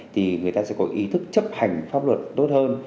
thì người ta sẽ có ý thức chấp hành pháp luật tốt hơn